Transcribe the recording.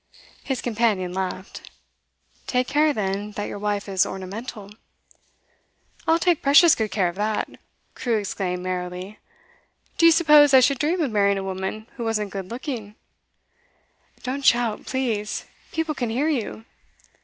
His companion laughed. 'Take care, then, that your wife is ornamental.' 'I'll take precious good care of that!' Crewe exclaimed merrily. 'Do you suppose I should dream of marrying a woman who wasn't good looking?' 'Don't shout, please. People can hear you.